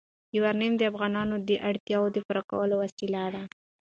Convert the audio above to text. یورانیم د افغانانو د اړتیاوو د پوره کولو وسیله ده.